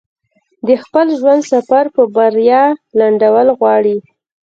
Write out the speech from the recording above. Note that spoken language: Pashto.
د خپل ژوند سفر په بريا لنډول غواړي.